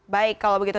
baik kalau begitu